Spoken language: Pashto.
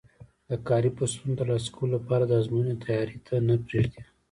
د کاري فرصتونو ترلاسه کولو لپاره د ازموینو تیاري ته نه پرېږدي